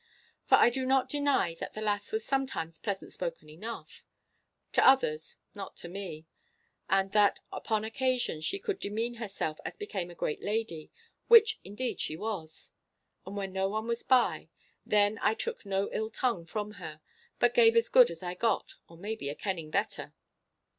For I do not deny that the lass was sometimes pleasant spoken enough—to others, not to me; and that upon occasion she could demean herself as became a great lady, which indeed she was. And when no one was by, then I took no ill tongue from her, but gave as good as I got or maybe a kenning better.